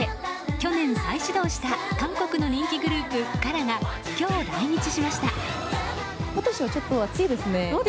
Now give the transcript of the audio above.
去年、再始動した韓国の人気グループＫＡＲＡが今日、来日しました。